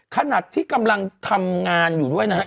ขนาดที่กำลังทำงานอยู่ด้วยนะฮะ